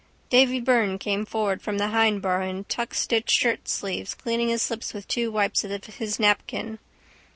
Davy Byrne came forward from the hindbar in tuckstitched shirtsleeves, cleaning his lips with two wipes of his napkin.